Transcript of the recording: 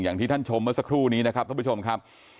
อย่างที่ท่านชมเมื่อสักครู่นี้นะครับท่านผู้ชมครับ